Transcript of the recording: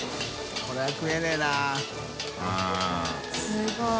すごい。